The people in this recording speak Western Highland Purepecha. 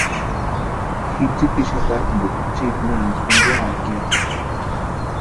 Ji tsipixaka jimpoka juchiti naanti junkwaaka ya.